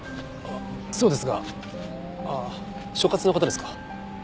そうですがああ所轄の方ですか？